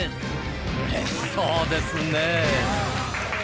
うれしそうですね。